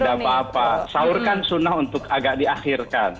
tidak apa apa sahur kan sunnah untuk agak diakhirkan